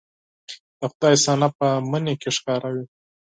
د خدای صنع په مني کې ښکاره وي